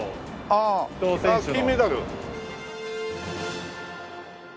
あっ金メダル？